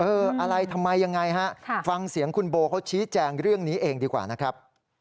อะไรทำไมยังไงฮะฟังเสียงคุณโบเขาชี้แจงเรื่องนี้เองดีกว่านะครับ